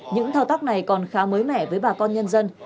những thao tác này còn khá mới mẻ với bà con nhân dân